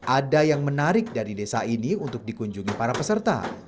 ada yang menarik dari desa ini untuk dikunjungi para peserta